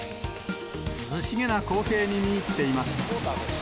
涼しげな光景に見入っていました。